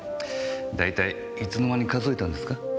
だいたいいつの間に数えたんですか？